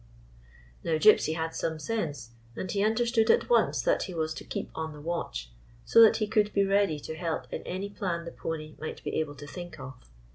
" Now, Gypsy had some sense, and he under stood at once that he was to keep on the watch, so that he could be ready to help in any plan the pony might be able to think of.